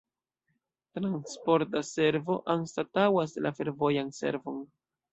Transporta servo anstataŭas la fervojan servon.